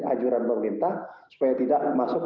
anjuran pemerintah supaya tidak masuk